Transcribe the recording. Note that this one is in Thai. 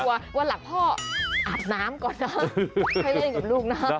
วันหลังพ่ออาบน้ำก่อนนะให้เล่นกับลูกนะ